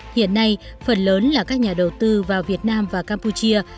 hiện nay phần lớn là các nhà đầu tư vào việt nam và campuchia